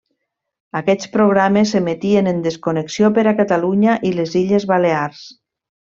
Aquests programes s'emetien en desconnexió per a Catalunya i les Illes Balears.